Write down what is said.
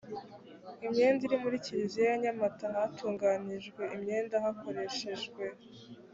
imyenda iri muri kiliziya ya nyamata hatunganijwe imyenda hakoreshejwe